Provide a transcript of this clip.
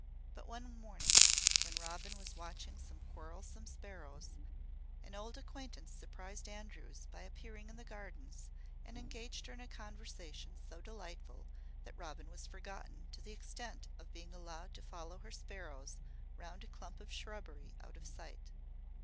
But one morning, when Robin was watching some quarrelsome sparrows, an old acquaintance surprised Andrews by appearing in the Gardens and engaged her in a conversation so delightful that Robin was forgotten to the extent of being allowed to follow her sparrows round a clump of shrubbery out of sight.